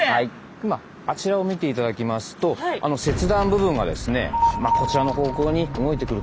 今あちらを見て頂きますとあの切断部分がですねこちらの方向に動いてくると。